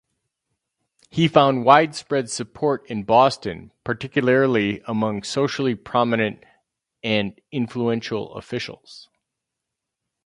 He found widespread support in Boston, particularly among socially-prominent and influential officials.